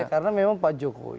karena memang pak jokowi